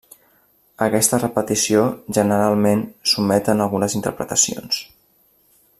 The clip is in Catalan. Aquesta repetició, generalment, s'omet en algunes interpretacions.